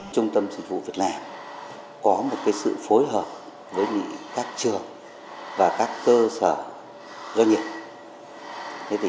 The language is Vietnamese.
trung tâm dịch vụ việc làm có một sự phối hợp với các trường và các cơ sở doanh nghiệp